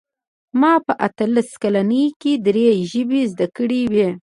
ما په اتلس کلنۍ کې درې ژبې زده کړې وې